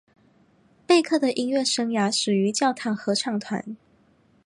贝克的音乐生涯始于教堂合唱团。